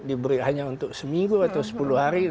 diberi hanya untuk seminggu atau sepuluh hari